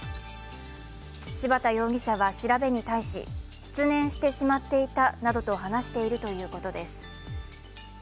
柴田容疑者は調べに対し、失念してしまっていたなどと話しているということです。